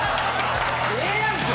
ええやんけ！